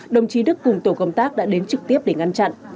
đồng chí đức cùng tổ công tác đã đến trực tiếp để ngăn chặn